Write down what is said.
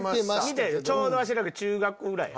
ちょうどわしらが中学校ぐらいや。